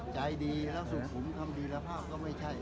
ใจดีแล้วสุขุมคำดีรภาพก็ไม่ใช่